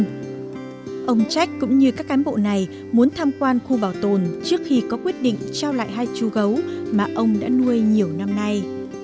ông trách cũng như các cán bộ này muốn tham quan khu bảo tồn trước khi có quyết định trao lại hai chú gấu mà ông đã nuôi nhiều năm nay